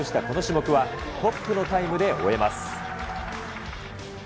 この種目は、トップのタイムで終えます。